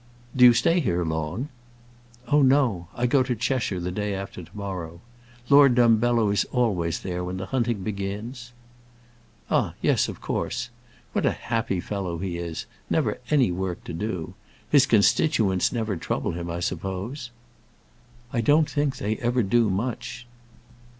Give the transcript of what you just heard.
"Do you stay here long?" "Oh, no. I go to Cheshire the day after to morrow. Lord Dumbello is always there when the hunting begins." "Ah, yes; of course. What a happy fellow he is; never any work to do! His constituents never trouble him, I suppose?" "I don't think they ever do, much."